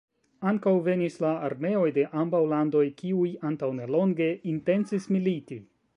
Ankaŭ venis la armeoj de ambaŭ landoj, kiuj antaŭ nelonge intencis militi.